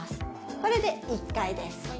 これで１回です